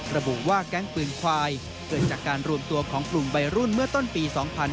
ระบุว่าแก๊งปืนควายเกิดจากการรวมตัวของกลุ่มวัยรุ่นเมื่อต้นปี๒๕๕๙